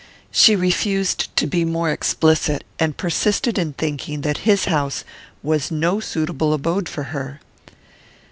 She refused to be more explicit, and persisted in thinking that his house was no suitable abode for her.